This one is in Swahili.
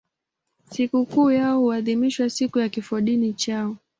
Sikukuu yao huadhimishwa siku ya kifodini chao.